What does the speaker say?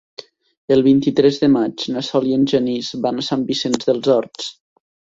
El vint-i-tres de maig na Sol i en Genís van a Sant Vicenç dels Horts.